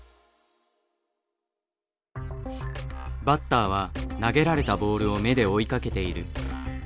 バッターは投げられたボールを目で追いかけている。